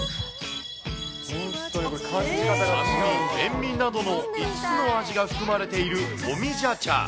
酸味、塩味などの５つの味が含まれているオミジャ茶。